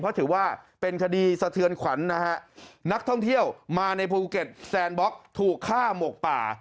เพราะถือว่าเป็นคดีสะเทือนขวัญนะฮะนักท่องเที่ยวมาในภูเก็ตแซนบล็อกถูกฆ่าหมกป่า